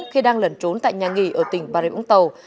khi đang lẩn trốn tại nhà nghỉ ở tỉnh bà rịa vũng tàu